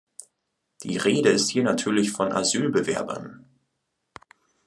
Die Rede ist hier natürlich von Asylbewerbern.